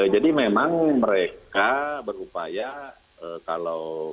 jadi memang mereka berupaya kalau